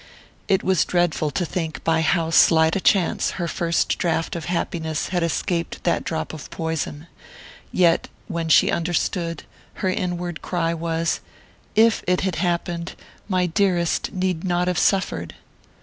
It was dreadful to think by how slight a chance her first draught of happiness had escaped that drop of poison; yet, when she understood, her inward cry was: "If it had happened, my dearest need not have suffered!"...